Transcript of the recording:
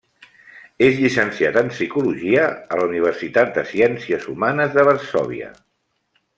És llicenciat en psicologia a la Universitat de Ciències Humanes de Varsòvia.